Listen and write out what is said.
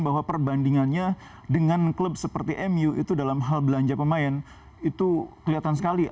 bahwa perbandingannya dengan klub seperti mu itu dalam hal belanja pemain itu kelihatan sekali